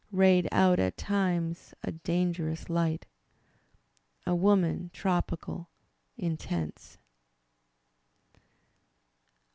Bayed out at times a dangerous light; A woman tropical, intense.